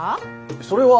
それは。